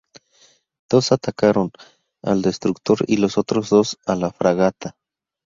Dos atacaron al destructor y los otros dos a la fragata.